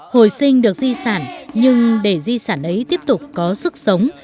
hồi sinh được di sản nhưng để di sản ấy tiếp tục có sức sống